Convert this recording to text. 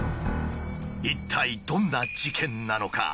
一体どんな事件なのか？